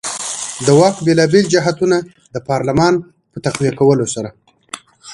د واک بېلابېل جهتونه د پارلمان په تقویه کولو سره.